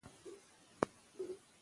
ښارونه د افغانانو د ګټورتیا برخه ده.